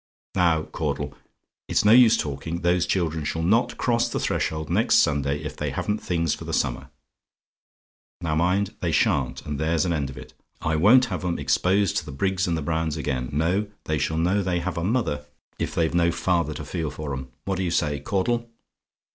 "Now, Caudle, it's no use talking; those children shall not cross the threshold next Sunday, if they haven't things for the summer. Now mind they sha'n't; and there's an end of it. I won't have 'em exposed to the Briggs's and the Browns again: no, they shall know they have a mother, if they've no father to feel for 'em. What do you say, Caudle?